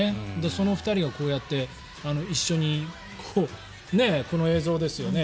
その２人がこうやって一緒にこの映像ですよね。